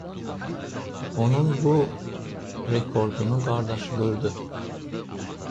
Onun bu rekordunu qardaşı qırdı.